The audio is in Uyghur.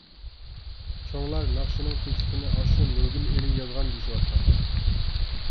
چوڭلار ناخشىنىڭ تېكىستىنى ئاشۇ نۇرگۈل ئېلى يازغان دېيىشىۋاتقان.